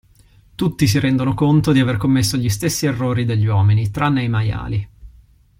Tutti si rendono conto di aver commesso gli stessi errori degli uomini, tranne i maiali.